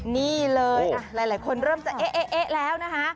นี่เลยหลายคนเริ่มจะเอ๊ะแล้วนะคะ